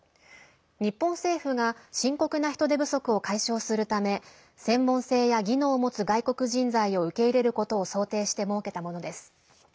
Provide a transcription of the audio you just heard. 日本政府が深刻な人手不足を解消するため専門性や技能を持つ外国人材を受け入れることを想定して設けたものです。